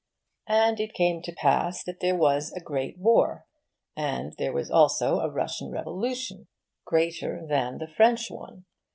And it came to pass that there was a great War. And there was also a Russian Revolution, greater than the French one.